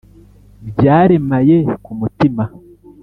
Byaremaye ku mutima